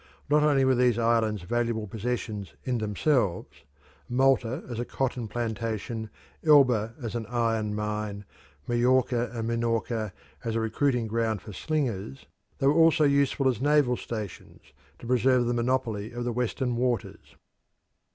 Not only were these islands valuable possessions in themselves Malta as a cotton plantation, Elba as an iron mine, Majorca and Minorca as a recruiting ground for slingers; they were also useful as naval stations to preserve the monopoly of the Western waters.